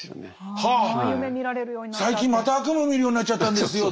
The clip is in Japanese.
「最近また悪夢見るようになっちゃったんですよ」では実はない。